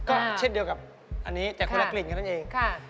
ก็เช็ดเดียวกับอันนี้แต่คนละกลิ่นกันเองค่ะค่ะ